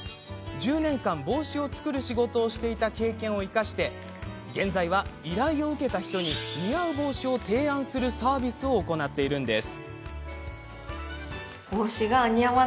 １０年間、帽子を作る仕事をしていた経験を生かして現在は依頼を受けた方に似合う帽子を提案するサービスを行っているんです。